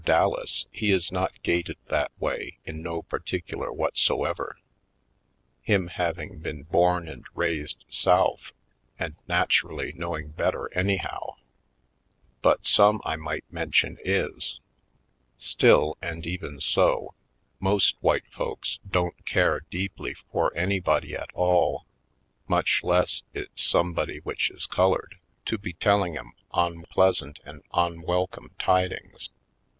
Dallas, he is not gaited that way in no particular whatsoever; him having been born and raised South and naturally knowing better anyhow; but some I might mention is. Still, and even so, most white folks don't care deeply for anybody at all, much less it's somebody which is colored, to be telling 'em onpleasant and onwelcome tidings.